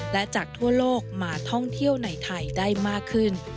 และจากทั่วโลกมาท่องเที่ยวในไทยได้มากขึ้น